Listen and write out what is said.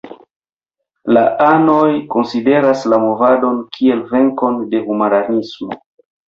La anoj konsideras la movadon kiel venkon de humanismo.